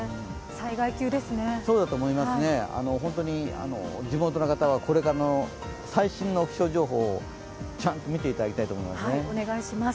そうだと思います、本当に地元の方はこれからの最新の気象情報をちゃんと見ていただきたいと思います。